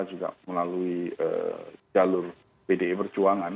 juga melalui jalur pdi perjuangan